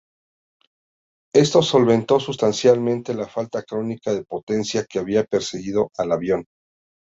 Esto solventó sustancialmente la falta crónica de potencia que había perseguido al avión.